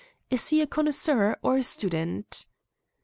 Is he a connoisseur or a student?"